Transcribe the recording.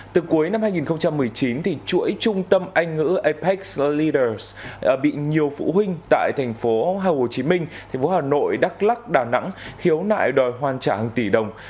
từ cuối năm hai nghìn một mươi chín thì chuỗi trung tâm anh ngữ apex leaders bị nhiều phụ huynh tại thành phố hà nội đắk lắc đà nẵng hiếu nại đòi hoàn trả hàng tỷ đồng